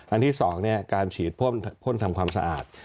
อันที่๒การฉีดพ่นทำความสะอาด